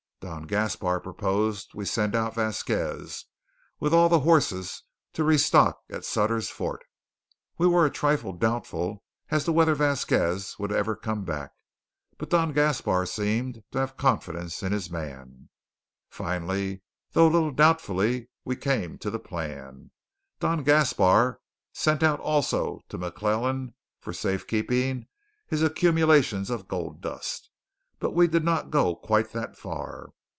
Don Gaspar proposed we send out Vasquez with all the horses to restock at Sutter's Fort. We were a trifle doubtful as to whether Vasquez would ever come back, but Don Gaspar seemed to have confidence in his man. Finally, though a little doubtfully, we came to the plan. Don Gaspar sent out also to McClellan for safekeeping his accumulations of gold dust; but we did not go quite that far.